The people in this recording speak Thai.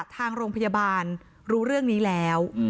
ทางโรงพยาบาลรู้เรื่องนี้แล้ว